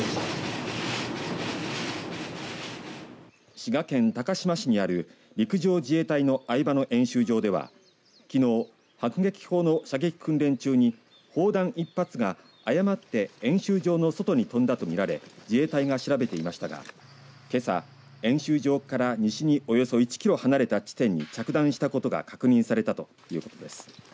滋賀県高島市にある陸上自衛隊の饗庭野演習場ではきのう迫撃砲の射撃訓練中に砲弾１発が誤って演習場の外に飛んだとみられ自衛隊が調べていましたがけさ、演習場から西におよそ１キロ離れた地点に着弾したことが確認されたということです。